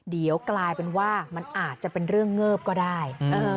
เดี๋ยวกลายเป็นว่ามันอาจจะเป็นเรื่องเงิบก็ได้